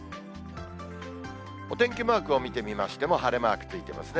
お天気マークを見てみましても、晴れマークついてますね。